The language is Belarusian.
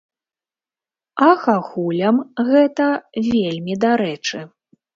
А хахулям гэта вельмі дарэчы.